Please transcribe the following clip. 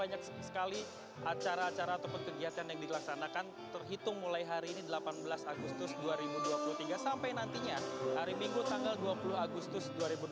banyak sekali acara acara ataupun kegiatan yang dilaksanakan terhitung mulai hari ini delapan belas agustus dua ribu dua puluh tiga sampai nantinya hari minggu tanggal dua puluh agustus dua ribu dua puluh